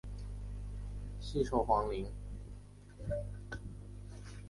西畴黄芩为唇形科黄芩属下的一个种。